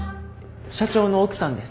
社長の奥さんです。